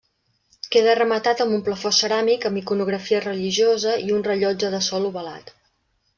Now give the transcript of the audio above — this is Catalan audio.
Queda rematat amb un plafó ceràmic amb iconografia religiosa i un rellotge de sol ovalat.